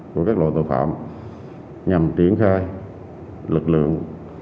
của các loại tội phạm nhằm triển khai lực lượng